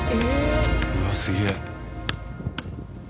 うわっすげえ。